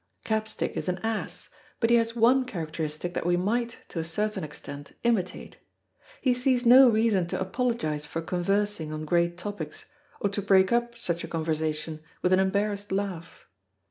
Capstick is an ass, but he has one characteristic that we might, to a certain extent, imitate; he sees no reason to apologise for conversing on great topics, or to break up such a conversation with an embarrassed laugh.